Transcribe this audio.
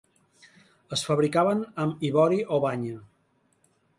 Es fabricaven amb ivori o banya.